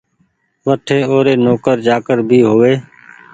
وٺي او ري نوڪر چآڪر ڀي هووي